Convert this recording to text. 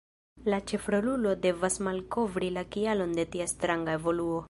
La ĉefrolulo devas malkovri la kialon de tia stranga evoluo.